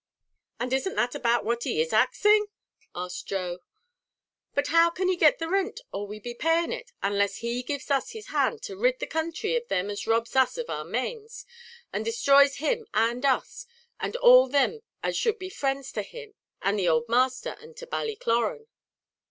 "And isn't it about that he is axing?" said Joe. "But how can he get the rint, or we be paying it, unless he gives us his hand to rid the counthry of thim as robs us of our manes, and desthroys him and us, and all thim as should be frinds to him and the owld Masther, and to Ballycloran?"